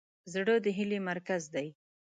زړه د هیلې مرکز دی.